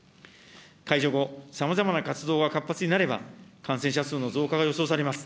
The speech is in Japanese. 解除後、さまざまな活動が活発になれば、感染者数の増加が予想されます。